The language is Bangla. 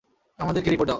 আমাদেরকে রিপোর্ট দাও।